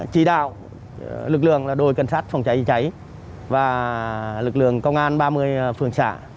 chỉ đạo lực lượng đồi cảnh sát phòng cháy cháy và lực lượng công an ba mươi phường xã